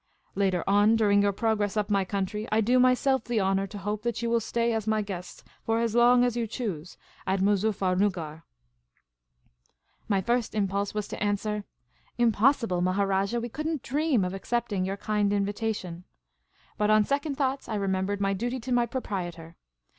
Later on, during your pro gress up country, I do myself the honour to hope that you will stay as my guests for as long as you choose at Moo zufFernuggar." The Magnificent Maharajah 239 My first impulse was to answer :" Impossible, Maharajah ; we could n't dream of accepting your kind invitation." But on second thoughts, I remembered my duty to my proprietor.